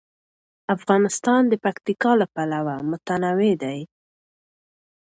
افغانستان د پکتیکا له پلوه متنوع دی.